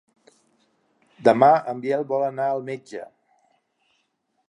Demà en Biel vol anar al metge.